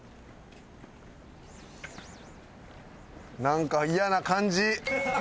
なんか嫌な感じ！